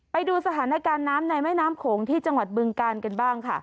ไปดูสถานการณ์น้ำในแม่น้ำโขงที่จังหวัดบึงกาลกันบ้างค่ะ